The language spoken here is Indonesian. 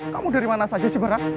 kamu dari mana saja sih berang